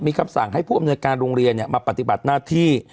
มีคำสั่งให้ผู้อำนวยการโรงเรียนมาปฏิบัติหน้าที่